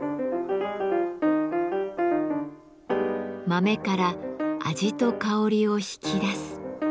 豆から味と香りを引き出す。